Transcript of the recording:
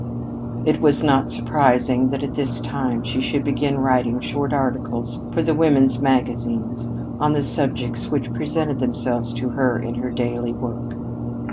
It was not surprising that at this time she should begin writing short articles for the women's magazines on the subjects which presented themselves to her in her daily work.